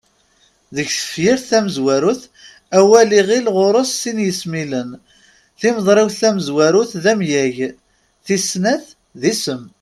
Deg tefyirt tamezwarut, awal iɣil ɣur-s sin yismilen: Timeḍriwt tamezwarut d amyag, tis snat d isem.